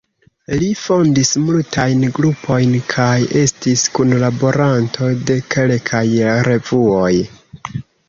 Li fondis multajn grupojn kaj estis kunlaboranto de kelkaj revuoj.